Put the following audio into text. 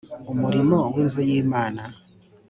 umurimo w inzu y imana